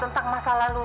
tentang masa lalu ibu